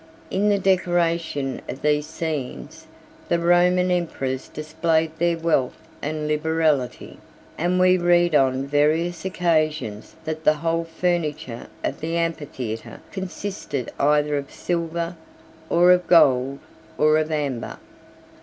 95 In the decoration of these scenes, the Roman emperors displayed their wealth and liberality; and we read on various occasions that the whole furniture of the amphitheatre consisted either of silver, or of gold, or of amber.